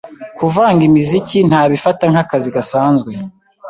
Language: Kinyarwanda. kuvanga imiziki ntabifata nk’akazi gasanzwe